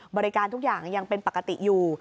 บริการทุกอย่างยังเป็นปกติอยู่